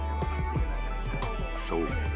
［そう。